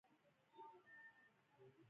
له خپلې خبرې څخه هم نشوى ګرځېدى.